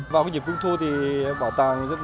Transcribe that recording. vào dịp trung thu thì bảo tàng